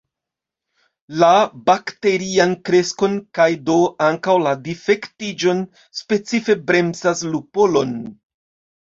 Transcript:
La bakterian kreskon kaj do ankaŭ la difektiĝon specife bremsas lupolon.